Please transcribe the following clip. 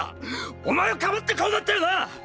⁉お前を庇ってこうなったよな